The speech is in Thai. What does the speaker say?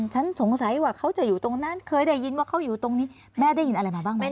ฉันสงสัยว่าเขาจะอยู่ตรงนั้นเคยได้ยินว่าเขาอยู่ตรงนี้แม่ได้ยินอะไรมาบ้างไหม